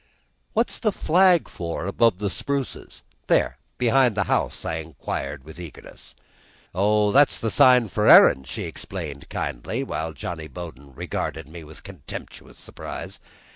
"What's the flag for, up above the spruces there behind the house?" I inquired, with eagerness. "Oh, that's the sign for herrin'," she explained kindly, while Johnny Bowden regarded me with contemptuous surprise.